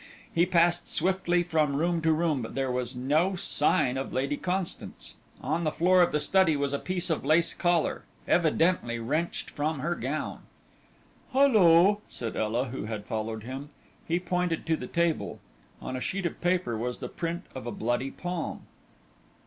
He passed swiftly from room to room, but there was no sign of Lady Constance. On the floor of the study was a piece of lace collar, evidently wrenched from her gown. "Hullo!" said Ela, who had followed him. He pointed to the table. On a sheet of paper was the print of a bloody palm.